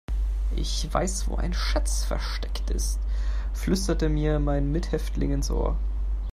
"Ich weiß, wo ein Schatz versteckt ist", flüsterte mir mein Mithäftling ins Ohr.